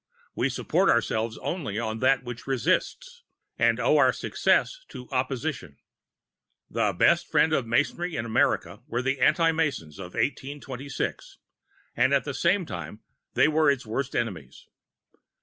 "We support ourselves only on that which resists," and owe our success to opposition. The best friends of Masonry in America were the Anti Masons of 1826, and at the same time they were its worst enemies.